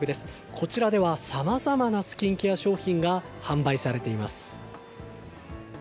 こちらではさまざまなスキンケア商品が販売されています。